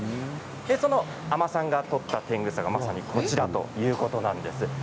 海女さんが採ったてんぐさがまさにこちらということなんです。